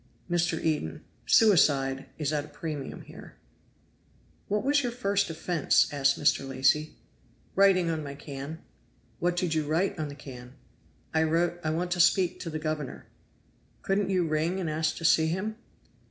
Mr. Eden. "Suicide is at a premium here." "What was your first offense?" asked Mr. Lacy. "Writing on my can." "What did you write on the can?" "I wrote, 'I want to speak to the governor.'" "Couldn't you ring and ask to see him?"